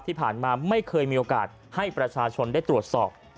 ที่ผ่านมาไม่เคยมีโอกาสให้ประชาชนได้ตรวจสอบ